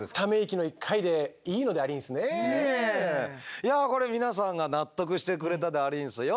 いやこれ皆さんが納得してくれたでありんすよ